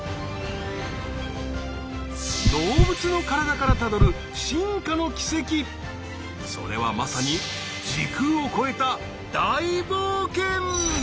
動物の体からたどるそれはまさに時空を超えた大冒険！